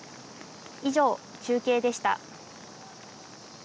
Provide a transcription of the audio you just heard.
以上、中継でした。